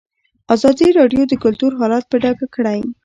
ازادي راډیو د کلتور حالت په ډاګه کړی.